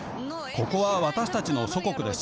ここは、私たちの祖国です。